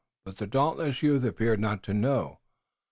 But the dauntless youth appeared not to know.